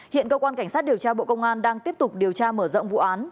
hiện cơ quan cảnh sát điều tra bộ công an đang tiếp tục điều tra mở rộng vụ án